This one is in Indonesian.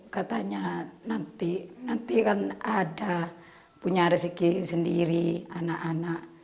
katanya nanti nanti kan ada punya rezeki sendiri anak anak